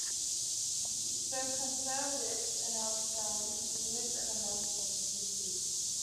The Conservatives announced plans to move an amendment to the speech.